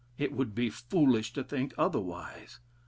It would be foolish to think otherwise.